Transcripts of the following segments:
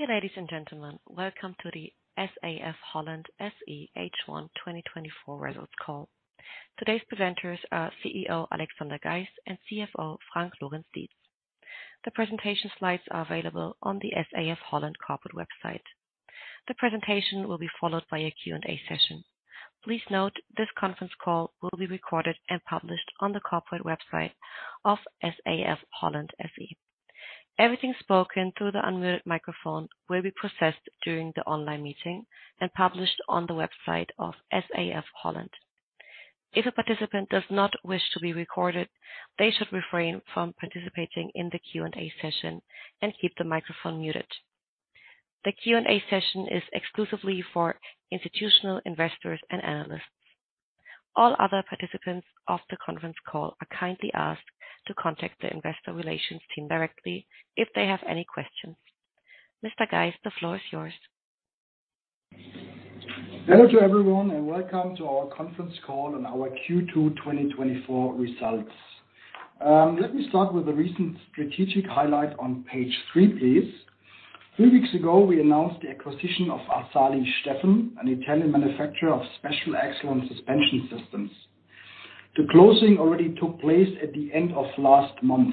Dear ladies and gentlemen, welcome to the SAF-HOLLAND SE H1 2024 results call. Today's presenters are CEO, Alexander Geis, and CFO, Frank Lorenz-Dietz. The presentation slides are available on the SAF-HOLLAND corporate website. The presentation will be followed by a Q&A session. Please note, this conference call will be recorded and published on the corporate website of SAF-HOLLAND SE. Everything spoken through the unmuted microphone will be processed during the online meeting and published on the website of SAF-HOLLAND. If a participant does not wish to be recorded, they should refrain from participating in the Q&A session and keep the microphone muted. The Q&A session is exclusively for institutional investors and analysts. All other participants of the conference call are kindly asked to contact the investor relations team directly if they have any questions. Mr. Geis, the floor is yours. Hello to everyone, and welcome to our conference call on our Q2 2024 results. Let me start with the recent strategic highlight on page three, please. Three weeks ago, we announced the acquisition of Assali Stefen, an Italian manufacturer of special axle and suspension systems. The closing already took place at the end of last month.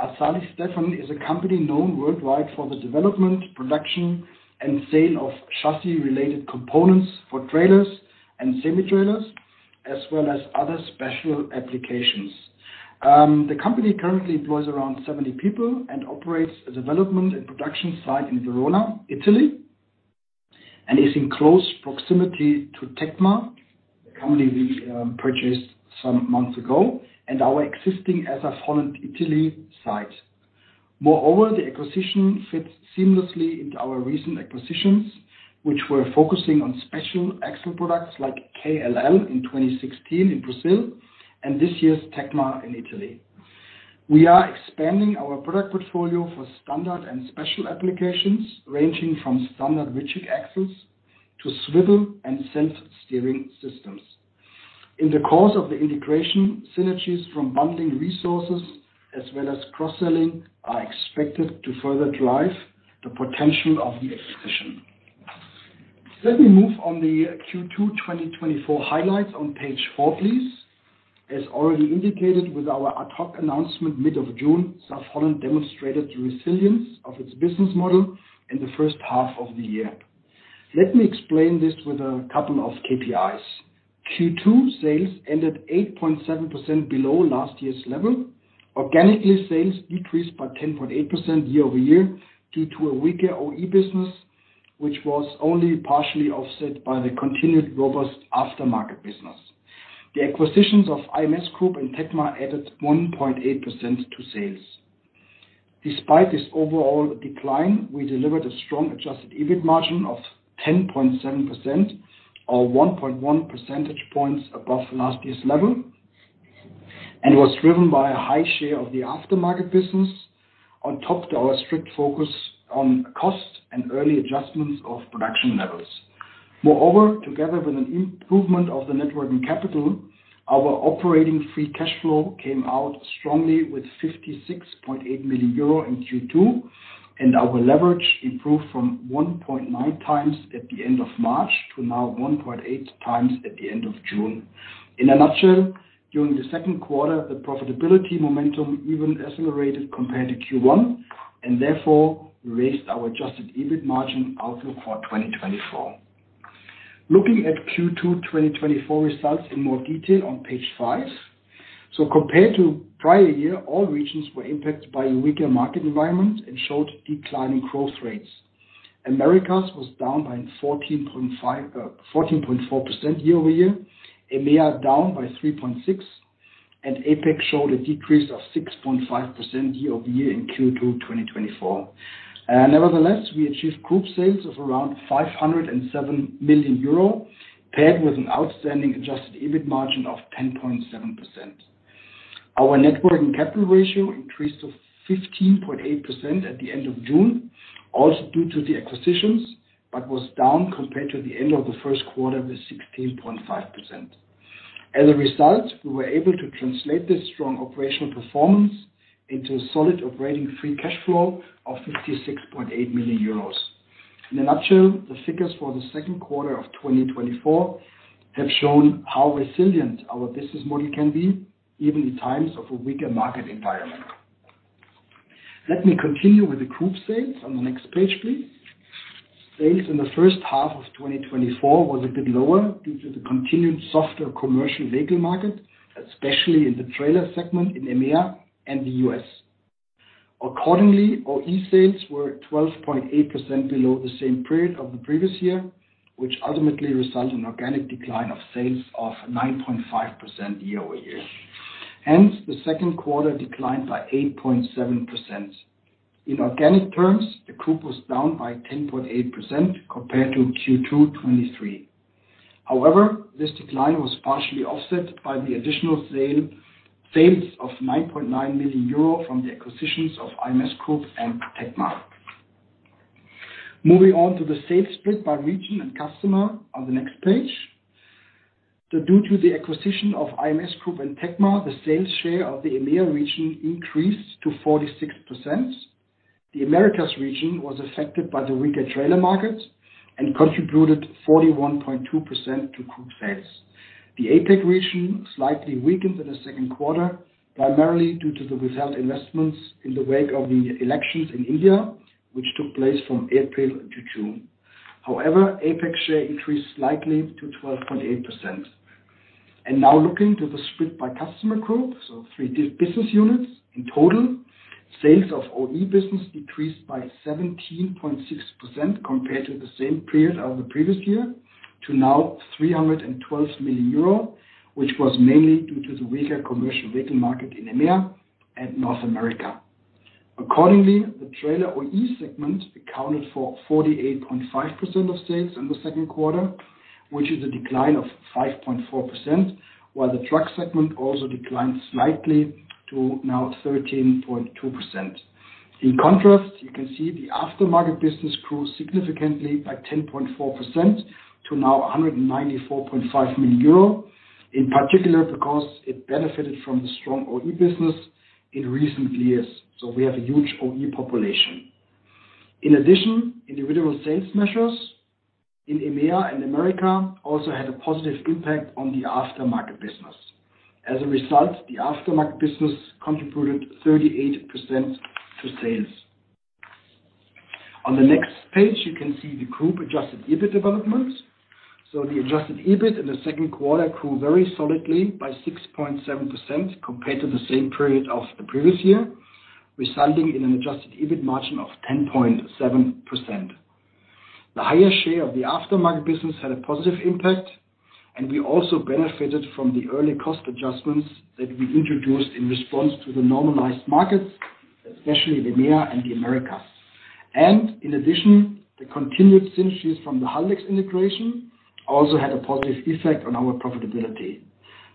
Assali Stefen is a company known worldwide for the development, production, and sale of chassis-related components for trailers and semi-trailers, as well as other special applications. The company currently employs around 70 people and operates a development and production site in Verona, Italy, and is in close proximity to Tecma, a company we purchased some months ago, and our existing SAF-HOLLAND Italy site. Moreover, the acquisition fits seamlessly into our recent acquisitions, which were focusing on special axle products like KLL in 2016 in Brazil, and this year's Tecma in Italy. We are expanding our product portfolio for standard and special applications, ranging from standard rigid axles to swivel and self-steering systems. In the course of the integration, synergies from bundling resources as well as cross-selling are expected to further drive the potential of the acquisition. Let me move on to the Q2 2024 highlights on page four, please. As already indicated with our ad hoc announcement mid-June, SAF-HOLLAND demonstrated the resilience of its business model in the first half of the year. Let me explain this with a couple of KPIs. Q2 sales ended 8.7% below last year's level. Organically, sales decreased by 10.8% year-over-year, due to a weaker OE business, which was only partially offset by the continued robust aftermarket business. The acquisitions of IMS Group and Tecma added 1.8% to sales. Despite this overall decline, we delivered a strong adjusted EBIT margin of 10.7%, or 1.1 percentage points above last year's level, and was driven by a high share of the aftermarket business, on top to our strict focus on cost and early adjustments of production levels. Moreover, together with an improvement of the net working capital, our operating free cash flow came out strongly with 56.8 million euro in Q2, and our leverage improved from 1.9x at the end of March to now 1.8x at the end of June. In a nutshell, during the second quarter, the profitability momentum even accelerated compared to Q1, and therefore, we raised our adjusted EBIT margin outlook for 2024. Looking at Q2 2024 results in more detail on page five. Compared to prior year, all regions were impacted by a weaker market environment and showed declining growth rates. Americas was down by 14.5%, 14.4% year-over-year, EMEA down by 3.6, and APAC showed a decrease of 6.5% year-over-year in Q2 2024. Nevertheless, we achieved group sales of around 507 million euro, paired with an outstanding adjusted EBIT margin of 10.7%. Our net working capital ratio increased to 15.8% at the end of June, also due to the acquisitions, but was down compared to the end of the first quarter with 16.5%. As a result, we were able to translate this strong operational performance into a solid operating free cash flow of 56.8 million euros. In a nutshell, the figures for the second quarter of 2024 have shown how resilient our business model can be, even in times of a weaker market environment. Let me continue with the group sales on the next page, please. Sales in the first half of 2024 was a bit lower due to the continued softer commercial vehicle market, especially in the trailer segment in EMEA and the U.S. Accordingly, OE sales were 12.8% below the same period of the previous year, which ultimately resulted in organic decline of sales of 9.5% year-over-year. Hence, the second quarter declined by 8.7%. In organic terms, the group was down by 10.8% compared to Q2 2023. However, this decline was partially offset by the additional sale, sales of 9.9 million euro from the acquisitions of IMS Group and Tecma. Moving on to the sales split by region and customer on the next page. So due to the acquisition of IMS Group and Tecma, the sales share of the EMEA region increased to 46%. The Americas region was affected by the weaker trailer markets and contributed 41.2% to group sales. The APAC region slightly weakened in the second quarter, primarily due to the withheld investments in the wake of the elections in India, which took place from April to June. However, APAC share increased slightly to 12.8%. Now looking to the split by customer group, so three distinct business units. In total, sales of OE business decreased by 17.6% compared to the same period of the previous year, to now 312 million euro, which was mainly due to the weaker commercial vehicle market in EMEA and North America. Accordingly, the trailer OE segment accounted for 48.5% of sales in the second quarter, which is a decline of 5.4%, while the truck segment also declined slightly to now 13.2%. In contrast, you can see the aftermarket business grew significantly by 10.4% to now 194.5 million euro, in particular because it benefited from the strong OE business in recent years. So we have a huge OE population. In addition, individual sales measures in EMEA and America also had a positive impact on the aftermarket business. As a result, the aftermarket business contributed 38% to sales. On the next page, you can see the Group Adjusted EBIT developments. So the Adjusted EBIT in the second quarter grew very solidly by 6.7% compared to the same period of the previous year, resulting in an adjusted EBIT margin of 10.7%. The higher share of the aftermarket business had a positive impact, and we also benefited from the early cost adjustments that we introduced in response to the normalized markets, especially the EMEA and the Americas. In addition, the continued synergies from the Haldex integration also had a positive effect on our profitability.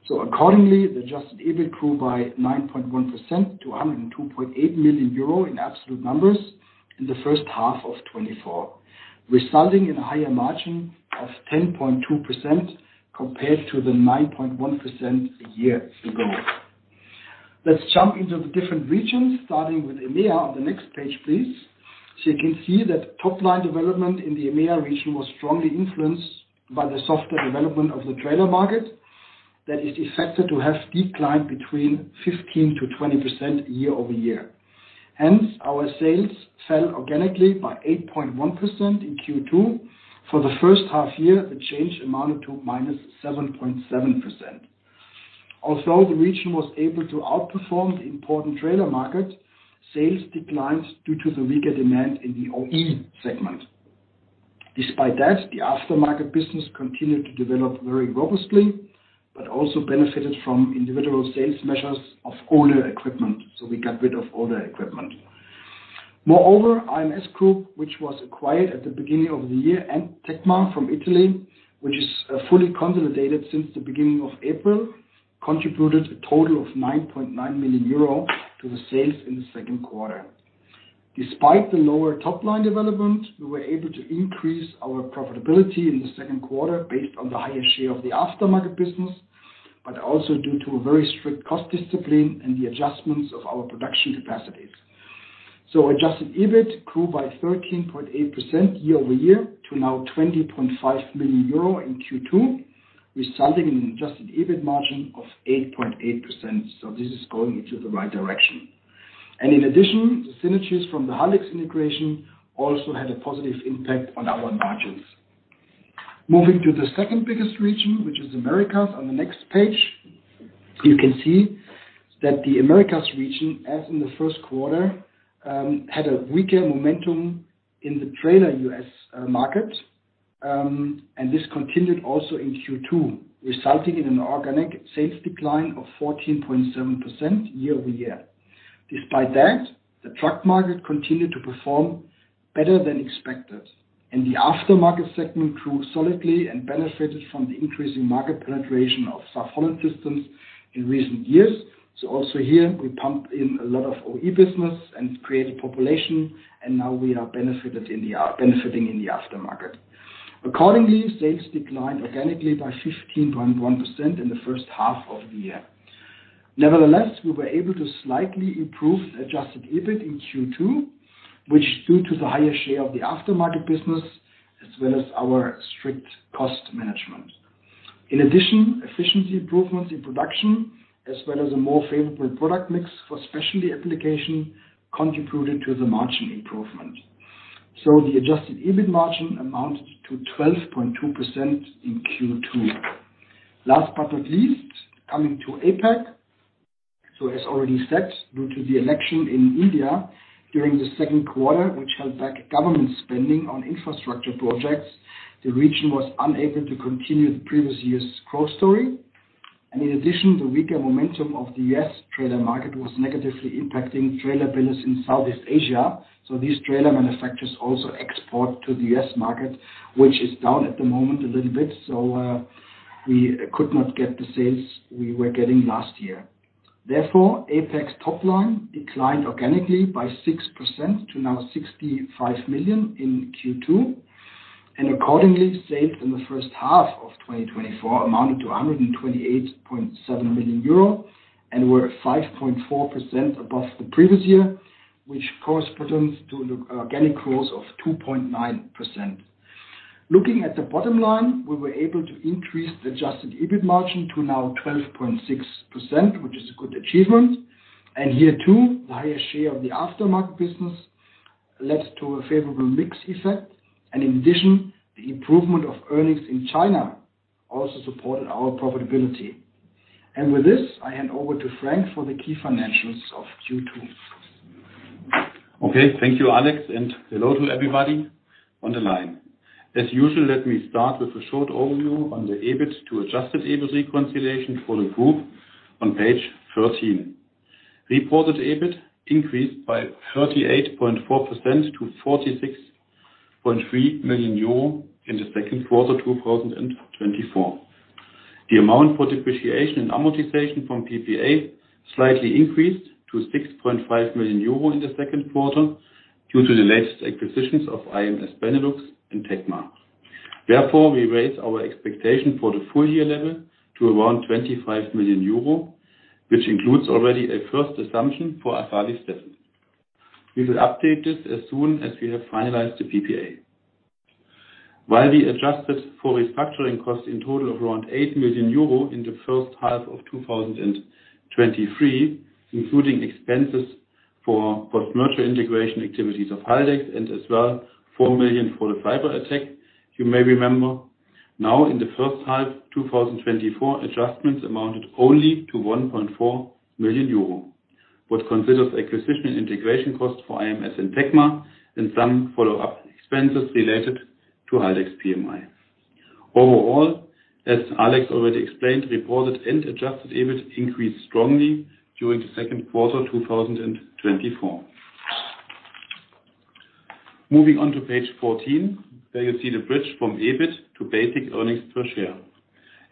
Accordingly, the adjusted EBIT grew by 9.1% to 102.8 million euro in absolute numbers in the first half of 2024, resulting in a higher margin of 10.2% compared to the 9.1% a year ago. Let's jump into the different regions, starting with EMEA on the next page, please. So you can see that top line development in the EMEA region was strongly influenced by the softer development of the trailer market that is expected to have declined between 15%-20% year-over-year. Hence, our sales fell organically by 8.1% in Q2. For the first half year, the change amounted to -7.7%. Although the region was able to outperform the important trailer market, sales declined due to the weaker demand in the OE segment. Despite that, the aftermarket business continued to develop very robustly, but also benefited from individual sales measures of older equipment, so we got rid of older equipment. Moreover, IMS Group, which was acquired at the beginning of the year, and Tecma from Italy, which is fully consolidated since the beginning of April, contributed a total of 9.9 million euro to the sales in the second quarter. Despite the lower top line development, we were able to increase our profitability in the second quarter based on the higher share of the aftermarket business, but also due to a very strict cost discipline and the adjustments of our production capacities. So adjusted EBIT grew by 13.8% year-over-year to now 20.5 million euro in Q2, resulting in an adjusted EBIT margin of 8.8%. So this is going into the right direction. And in addition, the synergies from the Haldex integration also had a positive impact on our margins. Moving to the second biggest region, which is Americas, on the next page. You can see that the Americas region, as in the first quarter, had a weaker momentum in the trailer U.S., market, and this continued also in Q2, resulting in an organic sales decline of 14.7% year-over-year. Despite that, the truck market continued to perform better than expected, and the aftermarket segment grew solidly and benefited from the increasing market penetration of SAF-HOLLAND systems in recent years. So also here, we pumped in a lot of OE business and created population, and now we are benefiting in the aftermarket. Accordingly, sales declined organically by 15.1% in the first half of the year. Nevertheless, we were able to slightly improve the Adjusted EBIT in Q2, which due to the higher share of the aftermarket business, as well as our strict cost management. In addition, efficiency improvements in production, as well as a more favorable product mix for specialty application, contributed to the margin improvement. So the Adjusted EBIT margin amounted to 12.2% in Q2. Last but not least, coming to APAC. So as already said, due to the election in India during the second quarter, which held back government spending on infrastructure projects, the region was unable to continue the previous year's growth story. And in addition, the weaker momentum of the U.S. trailer market was negatively impacting trailer builders in Southeast Asia. So these trailer manufacturers also export to the U.S. market, which is down at the moment a little bit, so we could not get the sales we were getting last year. Therefore, APAC top line declined organically by 6% to 65 million in Q2, and accordingly, sales in the first half of 2024 amounted to 128.7 million euro, and were 5.4% above the previous year, which corresponds to an organic growth of 2.9%. Looking at the bottom line, we were able to increase the Adjusted EBIT margin to now 12.6%, which is a good achievement. And here, too, the higher share of the aftermarket business led to a favorable mix effect, and in addition, the improvement of earnings in China also supported our profitability. With this, I hand over to Frank for the key financials of Q2. Okay, thank you, Alex, and hello to everybody on the line. As usual, let me start with a short overview on the EBIT to adjusted EBIT reconciliation for the group on page 13. Reported EBIT increased by 38.4% to 46.3 million euro in the second quarter, 2024. The amount for depreciation and amortization from PPA slightly increased to 6.5 million euro in the second quarter due to the latest acquisitions of IMS Benelux and Tecma. Therefore, we raised our expectation for the full year level to around 25 million euro, which includes already a first assumption for Assali Stefen. We will update this as soon as we have finalized the PPA. While we adjusted for restructuring costs in total of around 8 million euro in the first half of 2023, including expenses for post-merger integration activities of Haldex, and as well, 4 million for the cyber attack, you may remember, now in the first half 2024, adjustments amounted only to 1.4 million euro, which considers acquisition and integration costs for IMS and Tecma, and some follow-up expenses related to Haldex PMI. Overall, as Alex already explained, reported and adjusted EBIT increased strongly during the second quarter 2024. Moving on to page 14, there you see the bridge from EBIT to basic earnings per share.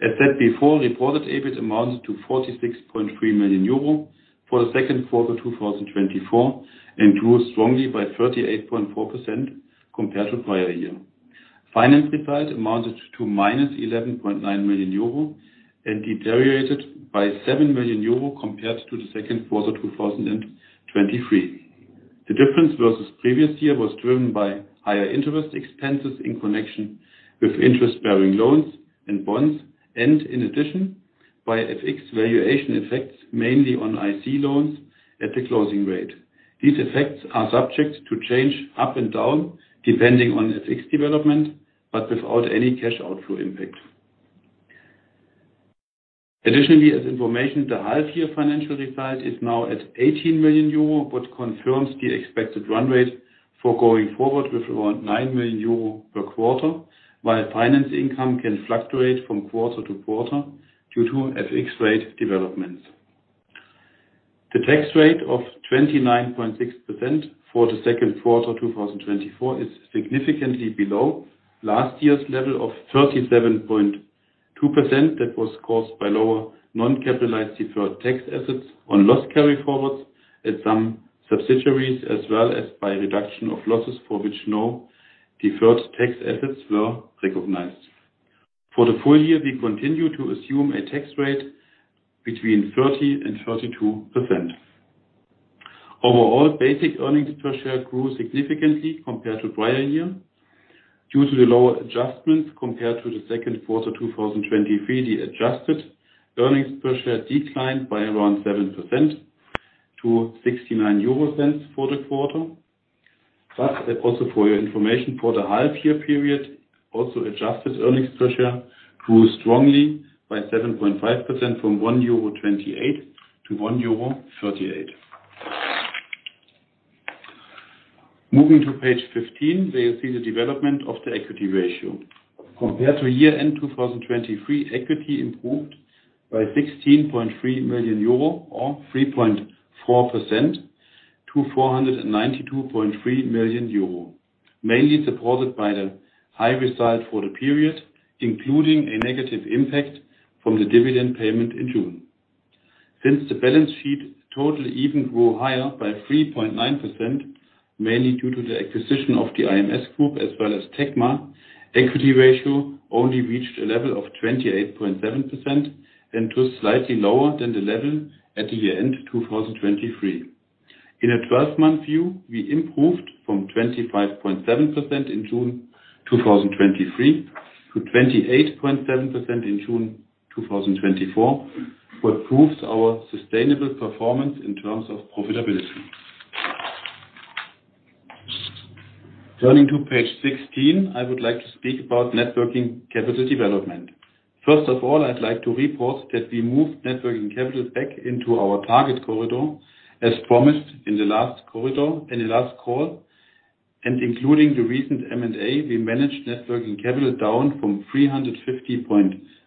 As said before, reported EBIT amounts to 46.3 million euro for the second quarter 2024, and grew strongly by 38.4% compared to prior year. Finance result amounted to -11.9 million euro and deteriorated by 7 million euro compared to the second quarter, 2023. The difference versus previous year was driven by higher interest expenses in connection with interest-bearing loans and bonds, and in addition, by FX valuation effects, mainly on IC loans at the closing rate. These effects are subject to change up and down, depending on FX development, but without any cash outflow impact. Additionally, as information, the half year financial result is now at 18 million euro, which confirms the expected run rate for going forward with around 9 million euro per quarter, while finance income can fluctuate from quarter to quarter due to FX rate developments. The tax rate of 29.6% for the second quarter, 2024, is significantly below last year's level of 37.2%. That was caused by lower non-capitalized deferred tax assets on loss carryforwards at some subsidiaries, as well as by reduction of losses for which no deferred tax assets were recognized. For the full year, we continue to assume a tax rate between 30%-32%. Overall, basic earnings per share grew significantly compared to prior year due to the lower adjustments compared to the second quarter, 2023. The adjusted earnings per share declined by around 7% to 0.69 for the quarter. But also for your information, for the half year period, also, adjusted earnings per share grew strongly by 7.5% from 1.28 euro to 1.38 euro. Moving to page 15, there you see the development of the equity ratio. Compared to year-end 2023, equity improved by 16.3 million euro or 3.4% to 492.3 million euro, mainly supported by the high result for the period, including a negative impact from the dividend payment in June. Since the balance sheet total even grew higher by 3.9%, mainly due to the acquisition of the IMS Group as well as Tecma, equity ratio only reached a level of 28.7% and was slightly lower than the level at the year-end 2023. In a twelve-month view, we improved from 25.7% in June 2023 to 28.7% in June 2024, which proves our sustainable performance in terms of profitability. Turning to page 16, I would like to speak about net working capital development. First of all, I'd like to report that we moved net working capital back into our target corridor, as promised in the last corridor, in the last call, and including the recent M&A, we managed net working capital down from 350.9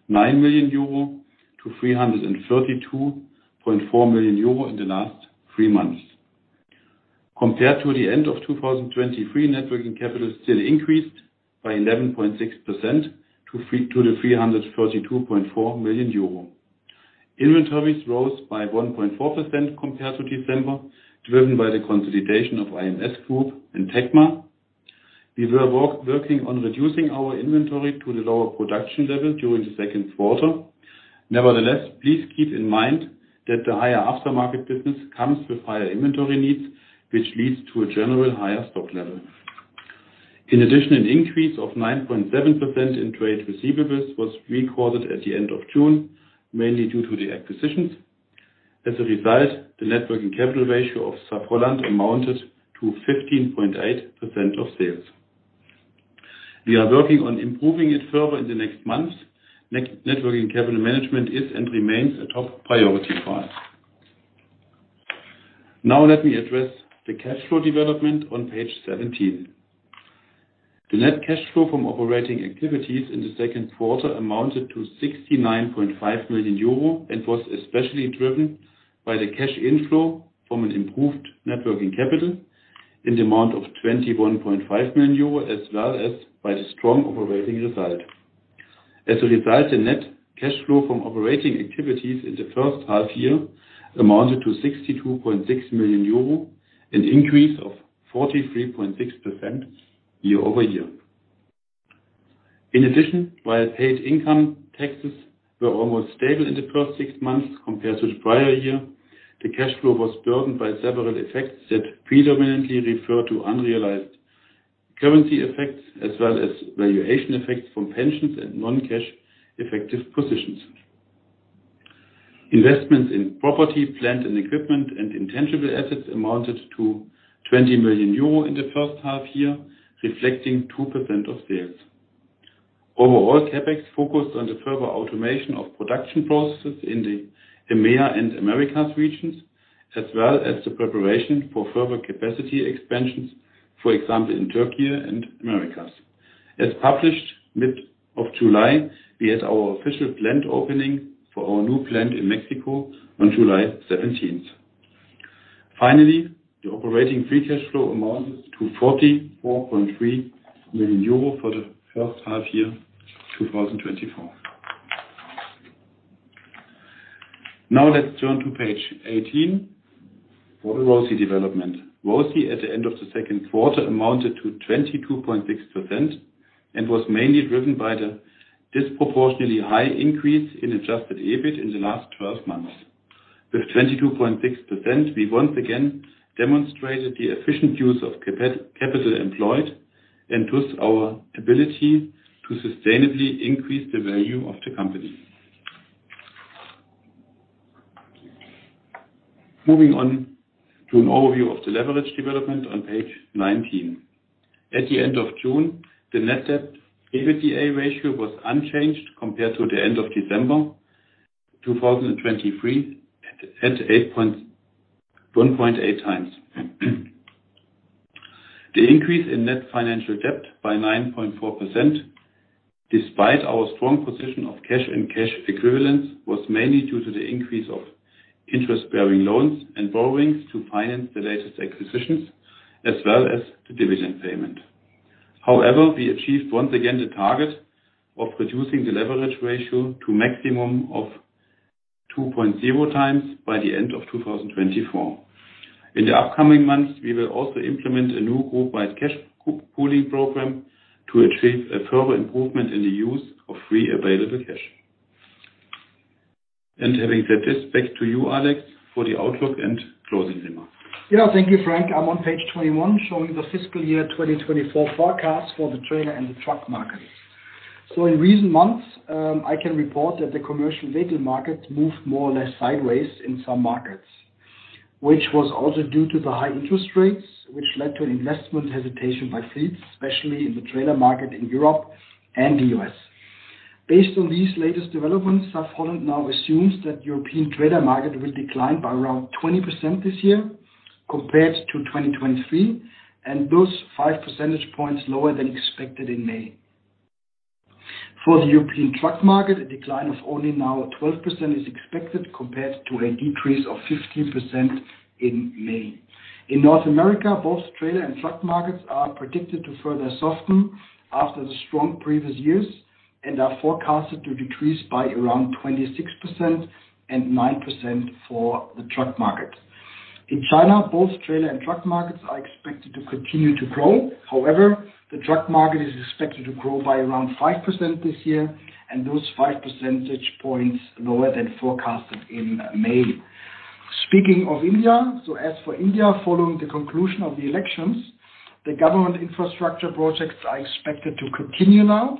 million euro to 332.4 million euro in the last three months. Compared to the end of 2023, net working capital still increased by 11.6%, to the 332.4 million euro. Inventories rose by 1.4% compared to December, driven by the consolidation of IMS Group and Tecma. We were working on reducing our inventory to the lower production level during the second quarter. Nevertheless, please keep in mind that the higher aftermarket business comes with higher inventory needs, which leads to a general higher stock level. In addition, an increase of 9.7% in trade receivables was recorded at the end of June, mainly due to the acquisitions. As a result, the net working capital ratio of SAF-HOLLAND amounted to 15.8% of sales. We are working on improving it further in the next months. Net working capital management is and remains a top priority for us. Now let me address the cash flow development on page 17. The net cash flow from operating activities in the second quarter amounted to 69.5 million euro, and was especially driven by the cash inflow from an improved net working capital in the amount of 21.5 million euro, as well as by the strong operating result. As a result, the net cash flow from operating activities in the first half year amounted to 62.6 million euro, an increase of 43.6% year-over-year. In addition, while paid income taxes were almost stable in the first six months compared to the prior year, the cash flow was burdened by several effects that predominantly refer to unrealized currency effects, as well as valuation effects from pensions and non-cash effective positions. Investments in property, plant, and equipment, and intangible assets amounted to 20 million euro in the first half year, reflecting 2% of sales. Overall, CapEx focused on the further automation of production processes in the EMEA and Americas regions, as well as the preparation for further capacity expansions, for example, in Turkey and Americas. As published mid of July, we had our official plant opening for our new plant in Mexico on July 17th. Finally, the operating free cash flow amounted to 44.3 million euro for the first half year, 2024. Now, let's turn to page 18 for the ROCE development. ROCE, at the end of the second quarter, amounted to 22.6% and was mainly driven by the disproportionately high increase in adjusted EBIT in the last twelve months. With 22.6%, we once again demonstrated the efficient use of capital employed and thus our ability to sustainably increase the value of the company. Moving on to an overview of the leverage development on page 19. At the end of June, the net debt EBITDA ratio was unchanged compared to the end of December 2023, at 1.8x. The increase in net financial debt by 9.4%, despite our strong position of cash and cash equivalents, was mainly due to the increase of interest-bearing loans and borrowings to finance the latest acquisitions, as well as the dividend payment. However, we achieved once again the target of reducing the leverage ratio to maximum of 2.0x by the end of 2024. In the upcoming months, we will also implement a new group-wide cash co-pooling program to achieve a further improvement in the use of free available cash. Having said this, back to you, Alex, for the outlook and closing remarks. Yeah, thank you, Frank. I'm on page 21, showing the fiscal year 2024 forecast for the trailer and the truck markets. So in recent months, I can report that the commercial vehicle market moved more or less sideways in some markets, which was also due to the high interest rates, which led to investment hesitation by fleets, especially in the trailer market in Europe and the US. Based on these latest developments, SAF-HOLLAND now assumes that European trailer market will decline by around 20% this year compared to 2023, and those five percentage points lower than expected in May. For the European truck market, a decline of only now 12% is expected, compared to a decrease of 15% in May. In North America, both trailer and truck markets are predicted to further soften after the strong previous years, and are forecasted to decrease by around 26% and 9% for the truck market. In China, both trailer and truck markets are expected to continue to grow. However, the truck market is expected to grow by around 5% this year, and those five percentage points lower than forecasted in May. Speaking of India, so as for India, following the conclusion of the elections, the government infrastructure projects are expected to continue now.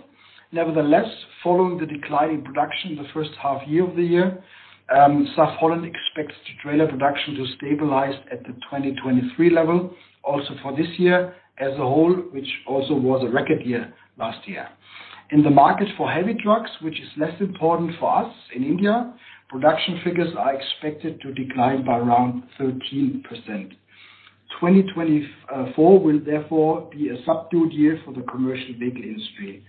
Nevertheless, following the decline in production in the first half year of the year, SAF-HOLLAND expects the trailer production to stabilize at the 2023 level, also for this year as a whole, which also was a record year last year. In the market for heavy trucks, which is less important for us in India, production figures are expected to decline by around 13%. 2024 will therefore be a subdued year for the commercial vehicle industry.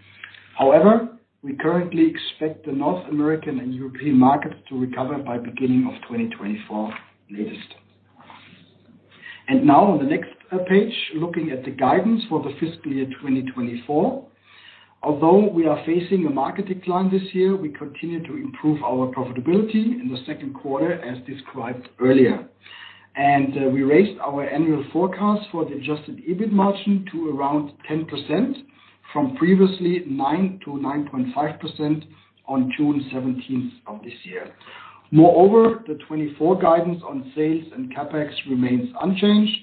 However, we currently expect the North American and European market to recover by beginning of 2024 latest. Now on the next page, looking at the guidance for the fiscal year 2024. Although we are facing a market decline this year, we continue to improve our profitability in the second quarter, as described earlier. We raised our annual forecast for the Adjusted EBIT margin to around 10% from previously 9%-9.5% on June seventeenth of this year. Moreover, the 2024 guidance on sales and CapEx remains unchanged,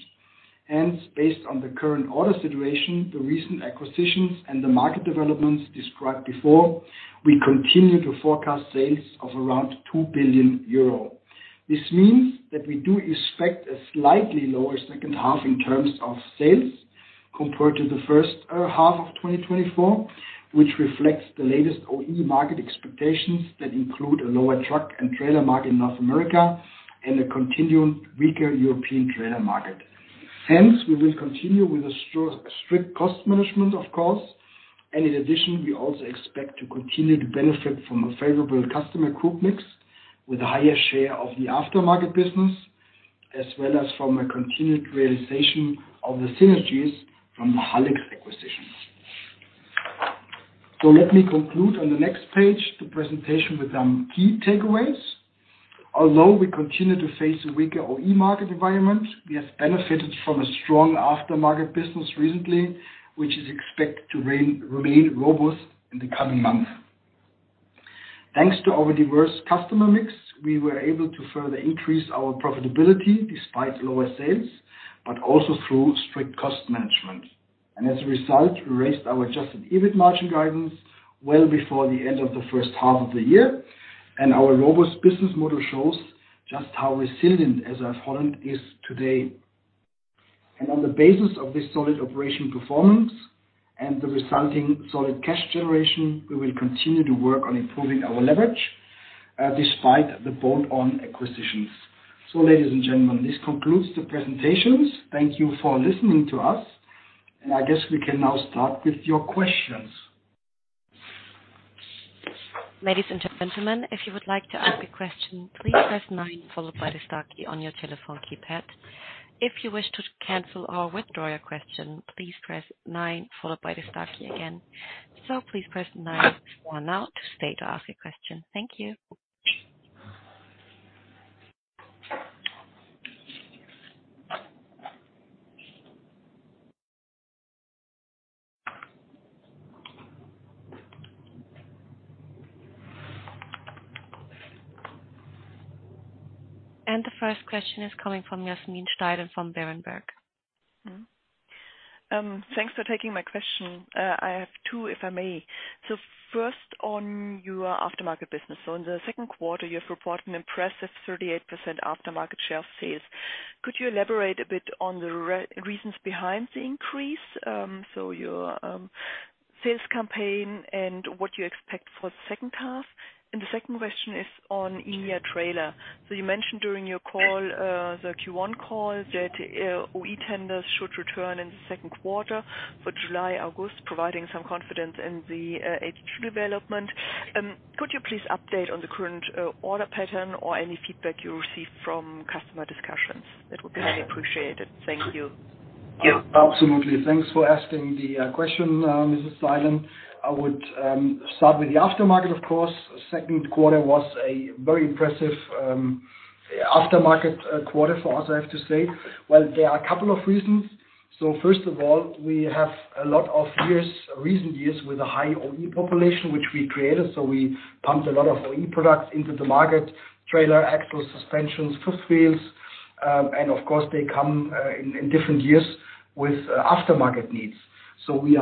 hence, based on the current order situation, the recent acquisitions and the market developments described before, we continue to forecast sales of around 2 billion euro. This means that we do expect a slightly lower second half in terms of sales compared to the first half of 2024, which reflects the latest OE market expectations that include a lower truck and trailer market in North America and a continuing weaker European trailer market. Hence, we will continue with a strict cost management, of course, and in addition, we also expect to continue to benefit from a favorable customer group mix with a higher share of the aftermarket business, as well as from a continued realization of the synergies from the Haldex acquisition. So let me conclude on the next page, the presentation with some key takeaways. Although we continue to face a weaker OE market environment, we have benefited from a strong aftermarket business recently, which is expected to remain robust in the coming months. Thanks to our diverse customer mix, we were able to further increase our profitability despite lower sales, but also through strict cost management. As a result, we raised our Adjusted EBIT margin guidance well before the end of the first half of the year, and our robust business model shows just how resilient SAF-HOLLAND is today. On the basis of this solid operational performance and the resulting solid cash generation, we will continue to work on improving our leverage, despite the bolt-on acquisitions. Ladies and gentlemen, this concludes the presentations. Thank you for listening to us, and I guess we can now start with your questions. Ladies and gentlemen, if you would like to ask a question, please press nine followed by the star key on your telephone keypad. If you wish to cancel or withdraw your question, please press nine followed by the star key again. So please press nine one now to state to ask a question. Thank you. And the first question is coming from Yasmin Steilen from Berenberg. Thanks for taking my question. I have two, if I may. So first on your aftermarket business. So in the second quarter, you have reported an impressive 38% aftermarket share sales. Could you elaborate a bit on the reasons behind the increase? So your sales campaign and what you expect for the second half. And the second question is on India trailer. So you mentioned during your call, the Q1 call, that OE tenders should return in the second quarter for July, August, providing some confidence in the H2 development. Could you please update on the current order pattern or any feedback you received from customer discussions? That would be highly appreciated. Thank you. Absolutely. Thanks for asking the question, Mrs. Steilen. I would start with the aftermarket, of course. Second quarter was a very impressive aftermarket quarter for us, I have to say. Well, there are a couple of reasons. So first of all, we have a lot of years, recent years, with a high OE population, which we created. So we pumped a lot of OE products into the market, trailer, axles, suspensions, fifth wheels, and of course, they come in different years with aftermarket needs. So we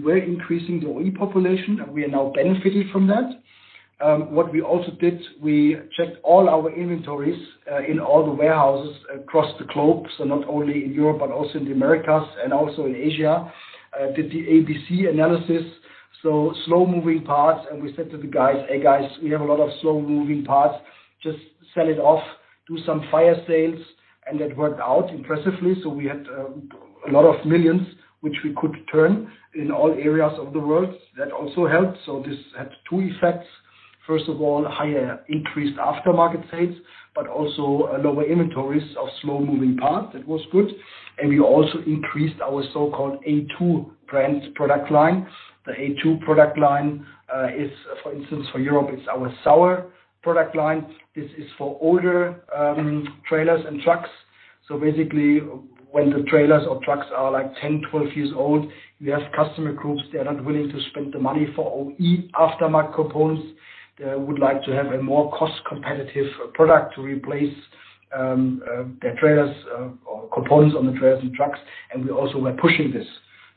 were increasing the OE population, and we are now benefiting from that. What we also did, we checked all our inventories in all the warehouses across the globe, so not only in Europe, but also in the Americas and also in Asia, did the ABC analysis, so slow-moving parts, and we said to the guys: "Hey, guys, we have a lot of slow-moving parts. Just sell it off, do some fire sales." And that worked out impressively, so we had a lot of millions, which we could turn in all areas of the world. That also helped. So this had two effects. First of all, higher increased aftermarket sales, but also a lower inventories of slow-moving parts. That was good. And we also increased our so-called A2 brand product line. The A2 product line is, for instance, for Europe, it's our Sauer product line. This is for older trailers and trucks. So basically, when the trailers or trucks are, like, 10, 12 years old, we have customer groups, they are not willing to spend the money for OE aftermarket components. They would like to have a more cost-competitive product to replace their trailers or components on the trailers and trucks, and we also are pushing this,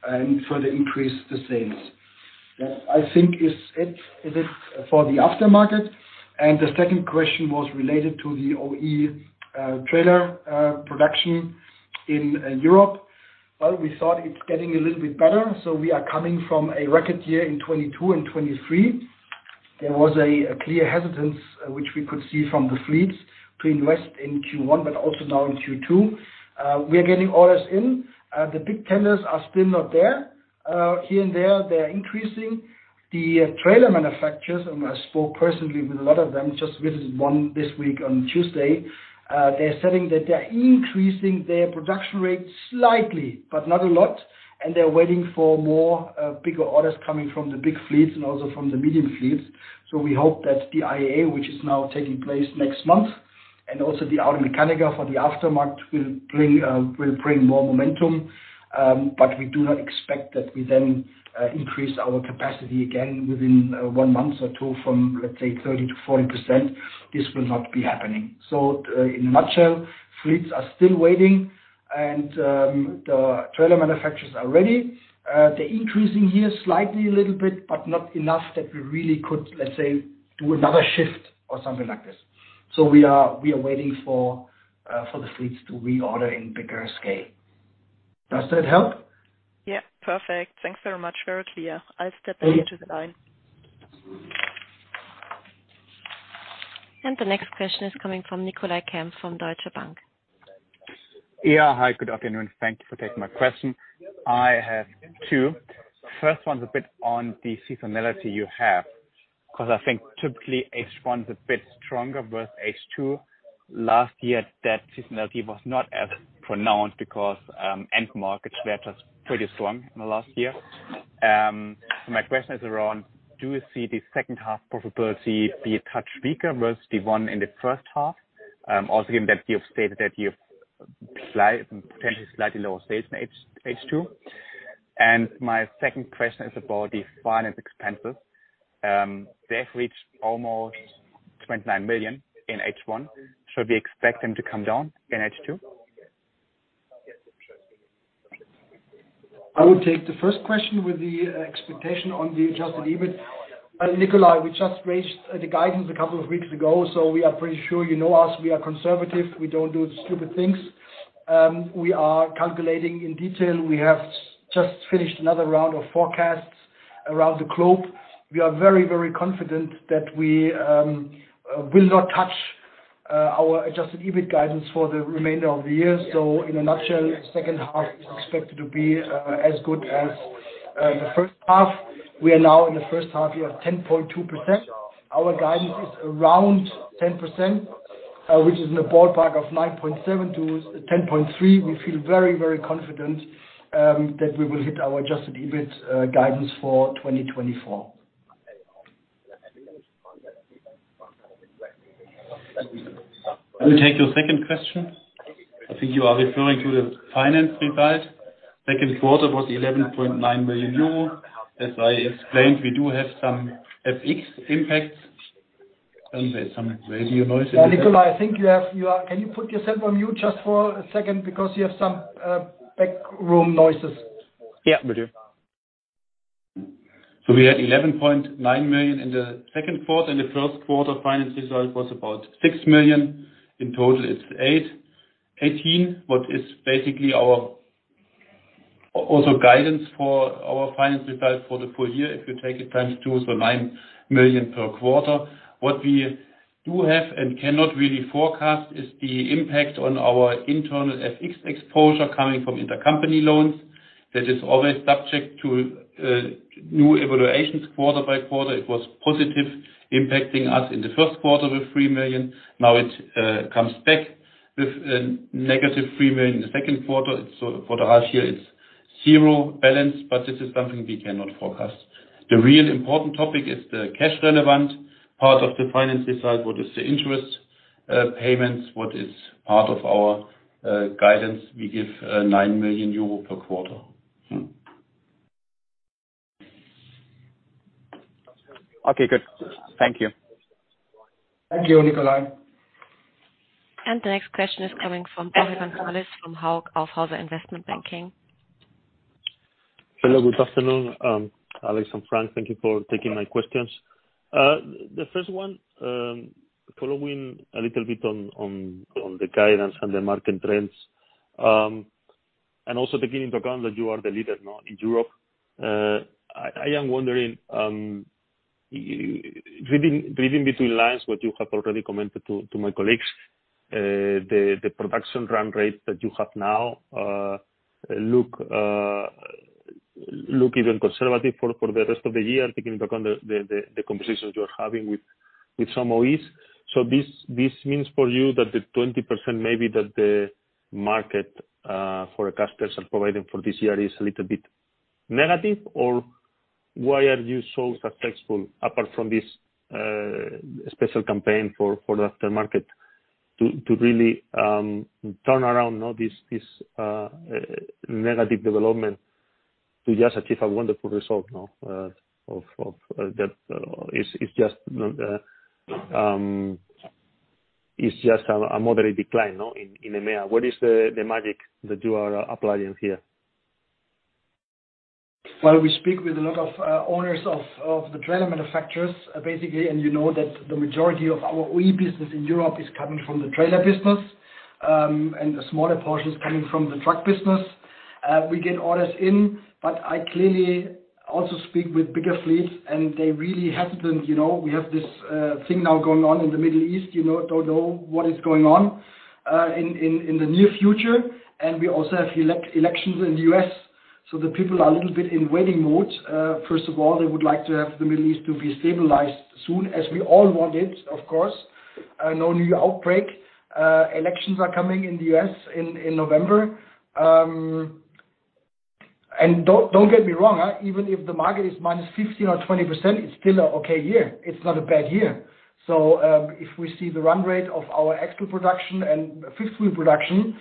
and further increase the sales. That, I think, is it, is it for the aftermarket. And the second question was related to the OE trailer production in Europe. Well, we thought it's getting a little bit better, so we are coming from a record year in 2022 and 2023. There was a clear hesitance, which we could see from the fleets to invest in Q1, but also now in Q2. We are getting orders in, the big tenders are still not there. Here and there, they're increasing. The trailer manufacturers, and I spoke personally with a lot of them, just visited one this week on Tuesday, they're saying that they're increasing their production rate slightly, but not a lot, and they're waiting for more bigger orders coming from the big fleets, and also from the medium fleets. So we hope that the IAA, which is now taking place next month, and also the Automechanika for the aftermarket, will bring more momentum. But we do not expect that we then increase our capacity again within one month or two from, let's say, 30%-40%. This will not be happening. So, in a nutshell, fleets are still waiting, and the trailer manufacturers are ready. They're increasing here slightly, a little bit, but not enough that we really could, let's say, do another shift or something like this. So we are waiting for the fleets to reorder in bigger scale. Does that help? Yeah, perfect. Thanks very much. Very clear. I'll step back into the line. The next question is coming from Nicolai Kempf from Deutsche Bank. Yeah. Hi, good afternoon. Thank you for taking my question. I have two. First one's a bit on the seasonality you have, 'cause I think typically H1's a bit stronger with H2. Last year, that seasonality was not as pronounced because end markets were just pretty strong in the last year. So my question is around: Do you see the second half profitability be a touch weaker versus the one in the first half? Also given that you have stated that you have slight, potentially slightly lower sales in H2. And my second question is about the finance expenses. They have reached almost 29 million in H1. Should we expect them to come down in H2? I will take the first question with the expectation on the adjusted EBIT. Nicolai, we just raised the guidance a couple of weeks ago, so we are pretty sure you know us. We are conservative. We don't do stupid things. We are calculating in detail. We have just finished another round of forecasts around the globe. We are very, very confident that we will not touch our adjusted EBIT guidance for the remainder of the year. So in a nutshell, second half is expected to be as good as the first half. We are now in the first half, we are at 10.2%. Our guidance is around 10%, which is in the ballpark of 9.7%-10.3%. We feel very, very confident that we will hit our adjusted EBIT guidance for 2024. I will take your second question. I think you are referring to the finance result. Second quarter was 11.9 million euro. As I explained, we do have some FX impacts and there's some radio noise. Nikolai, I think you have, you are, can you put yourself on mute just for a second, because you have some background noises? Yeah, will do. So we had 11.9 million in the second quarter, and the first quarter finance result was about 6 million. In total, it's eighteen, what is basically our also guidance for our finance result for the full year, if you take it times two, so 9 million per quarter. What we do have and cannot really forecast, is the impact on our internal FX exposure coming from intercompany loans, that is always subject to new evaluations quarter by quarter. It was positive, impacting us in the first quarter with 3 million. Now it comes back with negative 3 million in the second quarter. It's so for the half year, it's zero balance, but this is something we cannot forecast. The real important topic is the cash relevant part of the finance result. What is the interest payments? What is part of our guidance? We give 9 million euro per quarter. Okay, good. Thank you. Thank you, Nicolai. The next question is coming from [Oliver Harless], from Hauck Aufhäuser Investment Banking. Hello, good afternoon, Alex and Frank. Thank you for taking my questions. The first one, following a little bit on the guidance and the market trends, and also taking into account that you are the leader now in Europe, I am wondering, reading between lines, what you have already commented to my colleagues, the production run rate that you have now look even conservative for the rest of the year, taking into account the conversations you're having with some OE's. So this means for you that the 20% maybe that the market for customers are providing for this year is a little bit negative? Or why are you so successful, apart from this special campaign for the aftermarket, to really turn around now this negative development, to just achieve a wonderful result, no, of that is just a moderate decline, no, in EMEA? What is the magic that you are applying here? Well, we speak with a lot of owners of the trailer manufacturers, basically, and you know that the majority of our OE business in Europe is coming from the trailer business, and the smaller portion is coming from the truck business. We get orders in, but I clearly also speak with bigger fleets, and they really hesitant, you know, we have this thing now going on in the Middle East, you know, don't know what is going on in the near future. And we also have elections in the U.S., so the people are a little bit in waiting mode. First of all, they would like to have the Middle East to be stabilized soon, as we all want it, of course, no new outbreak. Elections are coming in the U.S. in November. And don't, don't get me wrong, even if the market is minus 15 or 20%, it's still an okay year. It's not a bad year. So, if we see the run rate of our export production and fifth wheel production,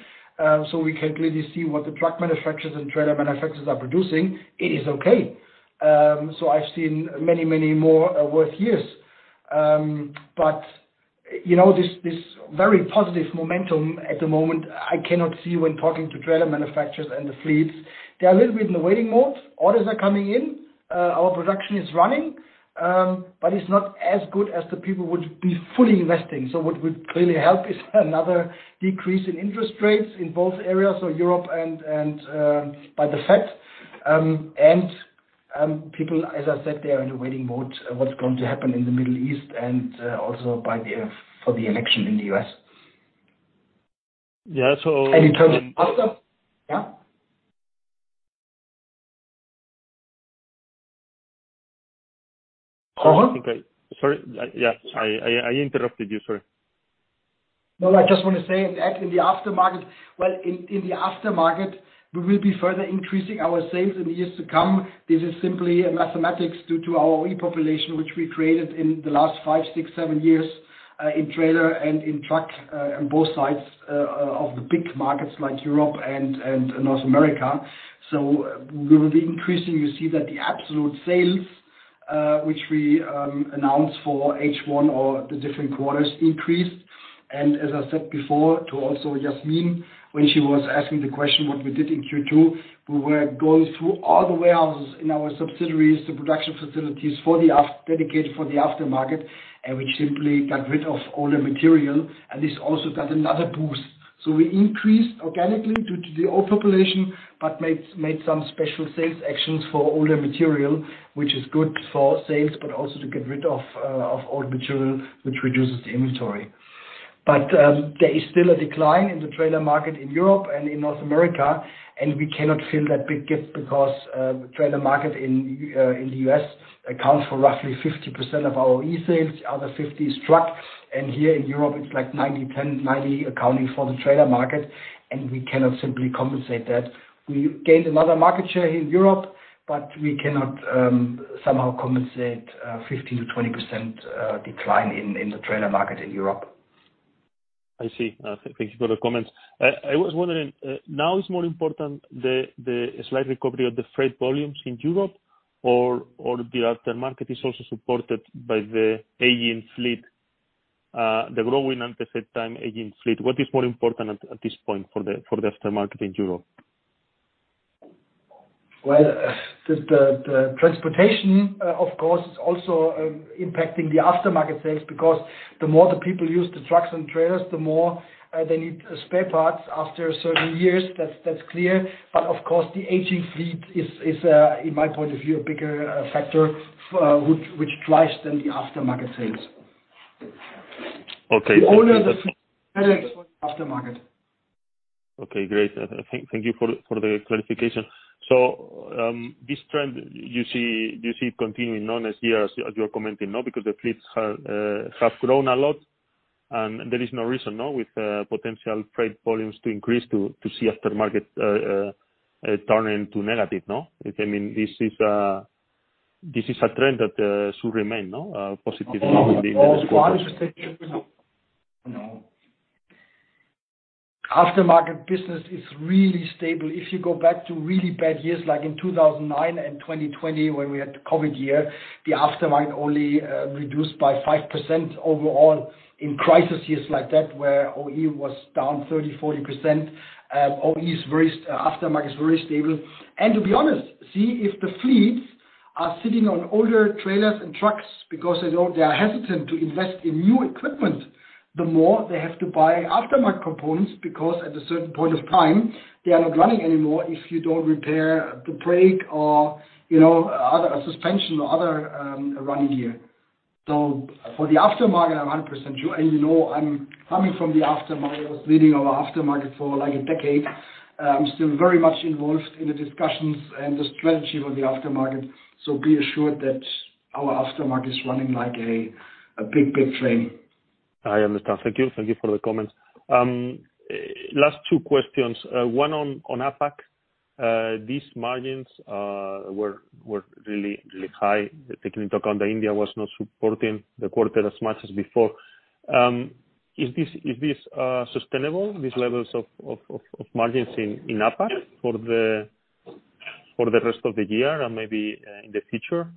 so we can clearly see what the truck manufacturers and trailer manufacturers are producing, it is okay. So I've seen many, many more worse years. But, you know, this very positive momentum at the moment, I cannot see when talking to trailer manufacturers and the fleets. They are a little bit in the waiting mode. Orders are coming in, our production is running, but it's not as good as the people would be fully investing. So what would clearly help is another decrease in interest rates in both areas, so Europe and by the Fed. People, as I said, they are in a waiting mode, what's going to happen in the Middle East and also by the for the election in the US. In terms of. Yeah? Uh-huh. Okay. Sorry, yeah, I interrupted you, sorry. No, I just wanna say, in the aftermarket... Well, in the aftermarket, we will be further increasing our sales in the years to come. This is simply a mathematics due to our repopulation, which we created in the last five, six, seven years, in trailer and in truck, on both sides, of the big markets like Europe and North America. So we will be increasing. You see that the absolute sales, which we announced for H1 or the different quarters increased. And as I said before, to also Jasmin, when she was asking the question, what we did in Q2, we were going through all the warehouses in our subsidiaries, the production facilities for the dedicated for the aftermarket, and we simply got rid of all the material, and this also got another boost. So we increased organically due to the old population, but made some special sales actions for older material, which is good for sales, but also to get rid of of old material, which reduces the inventory. But, there is still a decline in the trailer market in Europe and in North America, and we cannot fill that big gap because, the trailer market in the US accounts for roughly 50% of our OE sales, other 50% is truck. And here in Europe, it's like 90%-10%, 90% accounting for the trailer market, and we cannot simply compensate that. We gained another market share in Europe, but we cannot somehow compensate 15%-20% decline in the trailer market in Europe. I see. Thank you for the comments. I was wondering, now it's more important, the, the slight recovery of the freight volumes in Europe, or, or the aftermarket is also supported by the aging fleet, the growing and the third time aging fleet? What is more important at, at this point for the, for the aftermarket in Europe? Well, the transportation, of course, is also impacting the aftermarket sales, because the more the people use the trucks and trailers, the more they need spare parts after certain years. That's clear. But of course, the aging fleet is, in my point of view, a bigger factor which drives then the aftermarket sales. Okay. The older the fleet, aftermarket. Okay, great. Thank you for the clarification. So, this trend, you see, do you see it continuing on as years, as you're commenting, now because the fleets have grown a lot, and there is no reason, no, with potential freight volumes to increase to see aftermarket turn into negative, no? I mean, this is a trend that should remain, no, positive in the. Aftermarket business is really stable. If you go back to really bad years, like in 2009 and 2020, when we had the COVID year, the aftermarket only reduced by 5% overall in crisis years like that, where OE was down 30%-40%. OE is very, aftermarket is very stable. And to be honest, see, if the fleets are sitting on older trailers and trucks because they don't, they are hesitant to invest in new equipment, the more they have to buy aftermarket components, because at a certain point of time, they are not running anymore if you don't repair the brake or, you know, other, suspension or other, running gear. So for the aftermarket, I'm 100% sure, and you know, I'm coming from the aftermarket. I was leading our aftermarket for, like, a decade. I'm still very much involved in the discussions and the strategy of the aftermarket, so be assured that our aftermarket is running like a big, big train. I understand. Thank you. Thank you for the comments. Last two questions, one on APAC. These margins were really high, taking into account that India was not supporting the quarter as much as before. Is this sustainable, these levels of margins in APAC for the rest of the year and maybe in the future?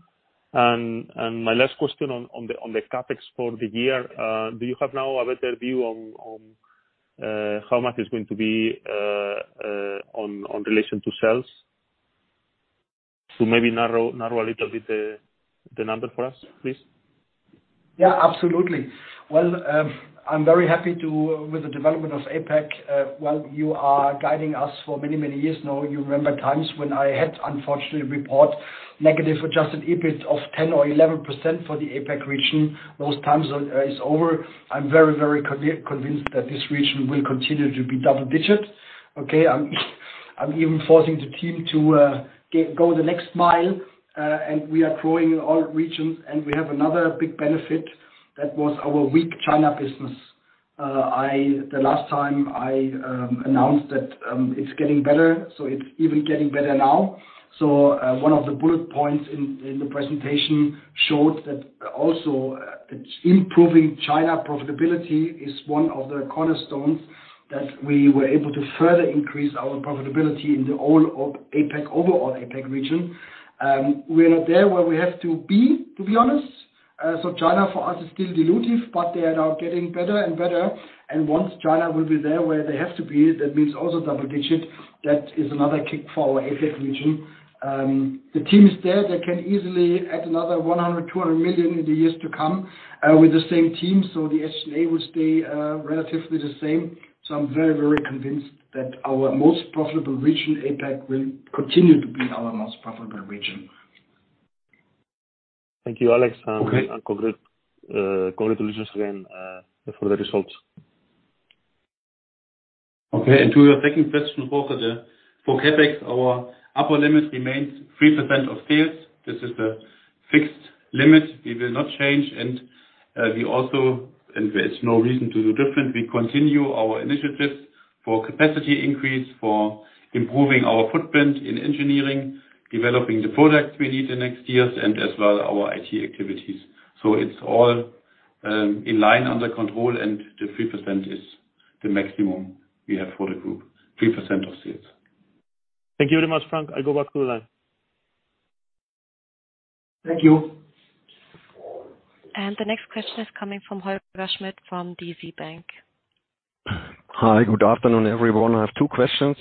And my last question on the CapEx for the year, do you have now a better view on how much it's going to be on relation to sales? Maybe narrow a little bit the number for us, please? Yeah, absolutely. Well, I'm very happy to, with the development of APAC, while you are guiding us for many, many years now, you remember times when I had unfortunately report negative adjusted EBIT of 10% or 11% for the APAC region. Those times are over. I'm very, very convinced that this region will continue to be double-digit. Okay, I'm even forcing the team to go the next mile, and we are growing in all regions, and we have another big benefit, that was our weak China business. The last time I announced that it's getting better, so it's even getting better now. So, one of the bullet points in the presentation showed that also, it's improving. China profitability is one of the cornerstones that we were able to further increase our profitability in all of APAC, overall APAC region. We are not there where we have to be, to be honest. So China for us is still dilutive, but they are now getting better and better. And once China will be there, where they have to be, that means also double digit. That is another kick for our APAC region. The team is there. They can easily add another 100 million, 200 million in the years to come, with the same team, so the HNA will stay, relatively the same. So I'm very, very convinced that our most profitable region, APAC, will continue to be our most profitable region. Thank you, Alex. Congratulations again for the results. Okay, and to your second question, [Oliver], for CapEx, our upper limit remains 3% of sales. This is a fixed limit. It will not change, and we also, and there's no reason to do different, we continue our initiatives for capacity increase, for improving our footprint in engineering, developing the products we need the next years, and as well, our IT activities. So it's all in line, under control, and the 3% is the maximum we have for the group, 3% of sales. Thank you very much, Frank. I go back to the line. Thank you. The next question is coming from Holger Schmidt, from DZ BANK. Hi, good afternoon, everyone. I have two questions.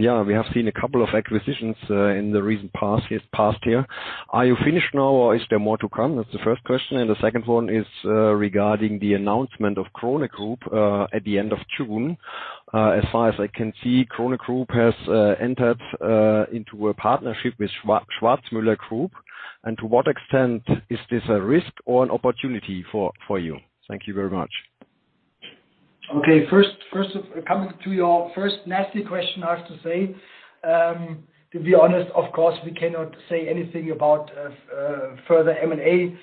Yeah, we have seen a couple of acquisitions in the recent past, yes, past year. Are you finished now, or is there more to come? That's the first question. And the second one is, regarding the announcement of Krone Group at the end of June. As far as I can see, Krone Group has entered into a partnership with Schwarzmüller Group, and to what extent is this a risk or an opportunity for you? Thank you very much. Okay, coming to your first nasty question, I have to say, to be honest, of course, we cannot say anything about further M&A.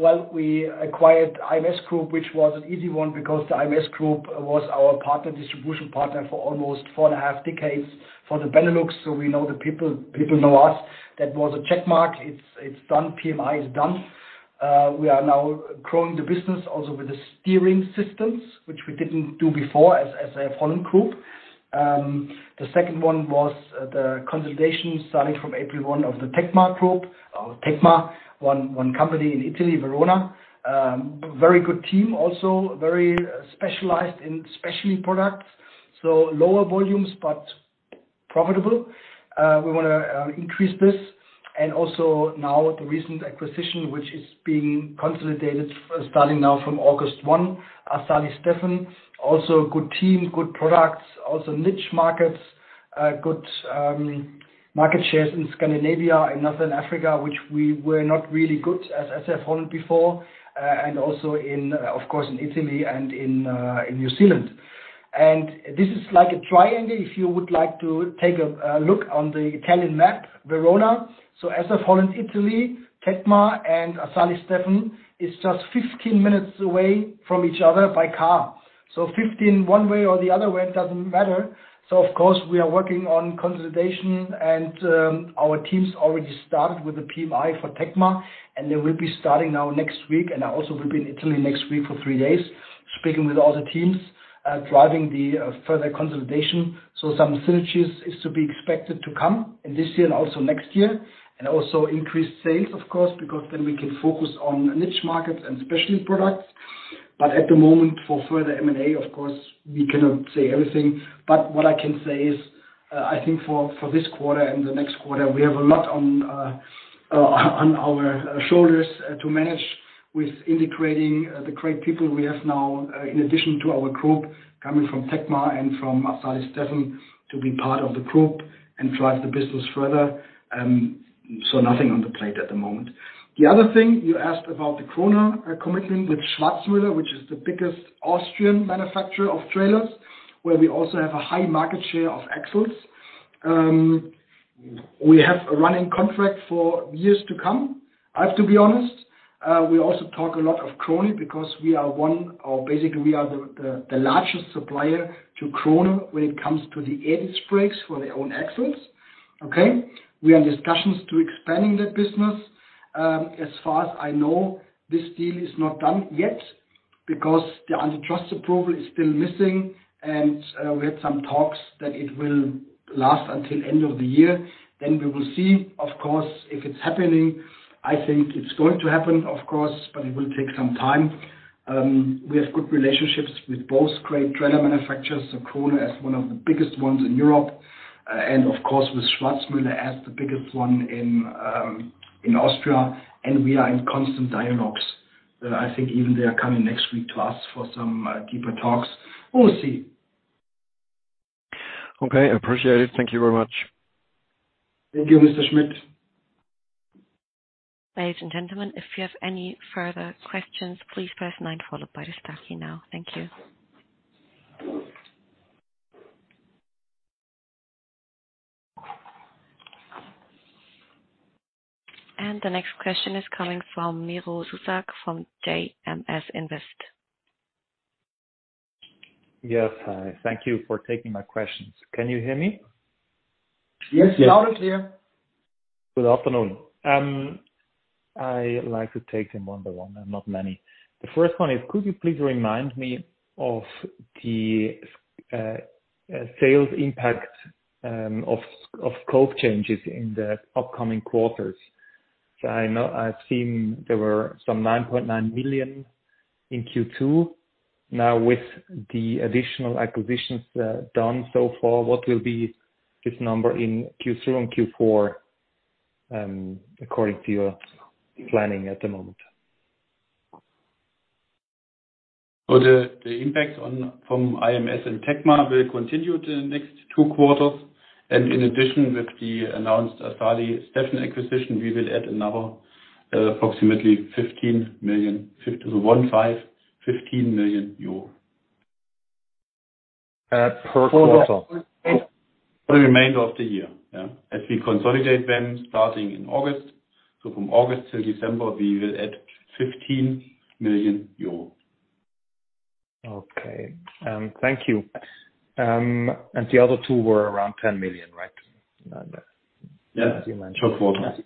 Well, we acquired IMS Group, which was an easy one because the IMS Group was our partner, distribution partner, for almost four and a half decades for the Benelux. So we know the people, people know us. That was a check mark. It's done. PMI is done. We are now growing the business also with the steering systems, which we didn't do before as a Holland group. The second one was the consolidation starting from April 1 of the Tecma group, Tecma, one company in Italy, Verona. Very good team, also very specialized in specialty products, so lower volumes, but profitable. We wanna increase this. And also now, the recent acquisition, which is being consolidated, starting now from August 1, Assali Stefen, also good team, good products, also niche markets, good market shares in Scandinavia and Northern Africa, which we were not really good at as SAF-HOLLAND before, and also in, of course, in Italy and in New Zealand. And this is like a triangle, if you would like to take a look on the Italian map, Verona. So SAF-HOLLAND Italy, Tecma and Assali Stefen is just 15 minutes away from each other by car. So 15 one way or the other way, it doesn't matter. So of course, we are working on consolidation, and our teams already started with the PMI for Tecma, and they will be starting now next week. And I also will be in Italy next week for three days, speaking with all the teams, driving the further consolidation. So some synergies is to be expected to come in this year and also next year, and also increased sales, of course, because then we can focus on niche markets and specialty products. But at the moment, for further M&A, of course, we cannot say everything, but what I can say is, I think for this quarter and the next quarter, we have a lot on our shoulders to manage with integrating the great people we have now in addition to our group, coming from Tecma and from Assali Stefen, to be part of the group and drive the business further. So nothing on the plate at the moment. The other thing, you asked about the Krone commitment with Schwarzmüller, which is the biggest Austrian manufacturer of trailers, where we also have a high market share of axles. We have a running contract for years to come. I have to be honest, we also talk a lot of Krone because we are one, or basically we are the largest supplier to Krone when it comes to the air disc brakes for their own axles. Okay? We are in discussions to expanding that business. As far as I know, this deal is not done yet because the antitrust approval is still missing, and we had some talks that it will last until end of the year. Then we will see, of course, if it's happening. I think it's going to happen, of course, but it will take some time. We have good relationships with both great trailer manufacturers, so Krone as one of the biggest ones in Europe, and of course, with Schwarzmüller as the biggest one in Austria, and we are in constant dialogues. I think even they are coming next week to us for some deeper talks. We'll see. Okay, appreciate it. Thank you very much. Thank you, Mr. Schmidt. Ladies and gentlemen, if you have any further questions, please press nine followed by the star key now. Thank you. And the next question is coming from Miro Zuzak, from JMS Invest. Yes, hi. Thank you for taking my questions. Can you hear me? Yes, loud and clear. Good afternoon. I like to take them one by one, and not many. The first one is, could you please remind me of the sales impact of scope changes in the upcoming quarters? So I know I've seen there were some 9.9 million in Q2. Now, with the additional acquisitions done so far, what will be this number in Q3 and Q4 according to your planning at the moment? Well, the impact from IMS and Tecma will continue the next two quarters, and in addition, with the announced Assali Stefen acquisition, we will add another approximately EUR 15 million. Per quarter? For the remainder of the year, yeah. As we consolidate them, starting in August. So from August till December, we will add 15 million euro. Okay, thank you. And the other two were around 10 million, right? Yeah, total.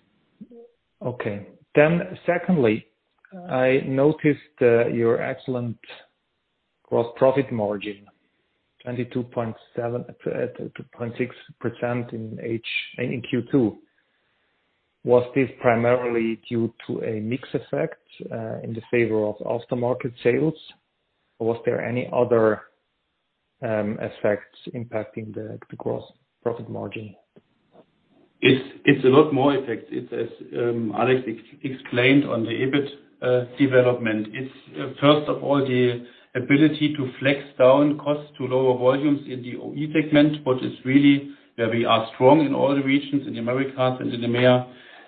Okay. Then secondly, I noticed your excellent gross profit margin, 22.7, 2.6% in H1-ending Q2. Was this primarily due to a mix effect in the favor of aftermarket sales, or was there any other effects impacting the gross profit margin? It's a lot more effect. It's as Alex explained on the EBIT development. It's first of all, the ability to flex down costs to lower volumes in the OE segment, but it's really where we are strong in all the regions, in the Americas and in the EMEA.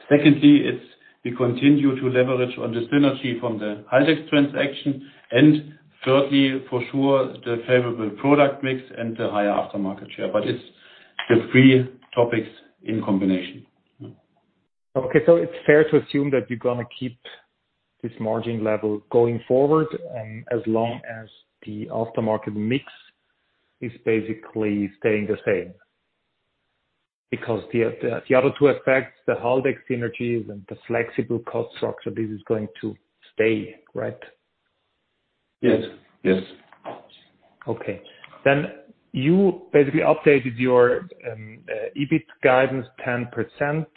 Secondly, it's we continue to leverage on the synergy from the Haldex transaction, and thirdly, for sure, the favorable product mix and the higher aftermarket share, but it's the three topics in combination. Okay, so it's fair to assume that you're gonna keep this margin level going forward, as long as the aftermarket mix is basically staying the same? Because the other two effects, the Haldex synergies and the flexible cost structure, this is going to stay, right? Yes. Yes. Okay. Then, you basically updated your EBIT guidance 10%,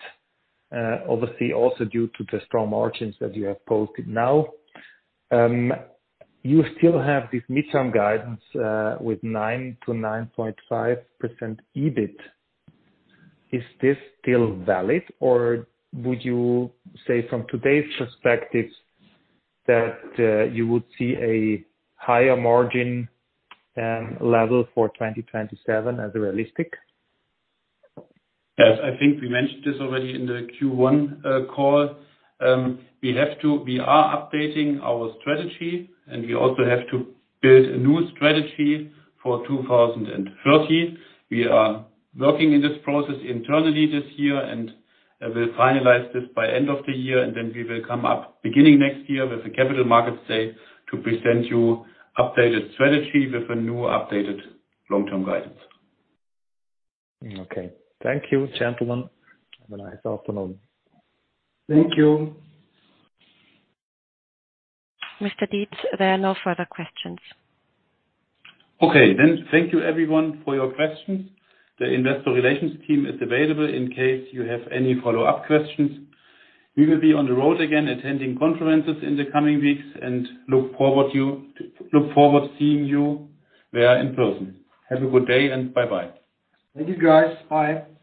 obviously also due to the strong margins that you have posted now. You still have this mid-term guidance, with 9%-9.5% EBIT. Is this still valid, or would you say from today's perspective, that you would see a higher margin level for 2027 as realistic? Yes, I think we mentioned this already in the Q1 call. We are updating our strategy, and we also have to build a new strategy for 2030. We are working in this process internally this year, and we'll finalize this by end of the year, and then we will come up, beginning next year, with the capital markets day to present you updated strategy with a new updated long-term guidance. Okay. Thank you, gentlemen. Have a nice afternoon. Thank you. Mr. Dietz, there are no further questions. Okay, then. Thank you everyone for your questions. The investor relations team is available in case you have any follow-up questions. We will be on the road again, attending conferences in the coming weeks, and look forward to seeing you there in person. Have a good day, and bye-bye. Thank you, guys. Bye.